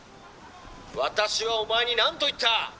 「私はお前に何と言った！？